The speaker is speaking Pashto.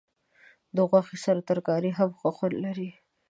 د غوښې سره ترکاري هم ښه خوند لري.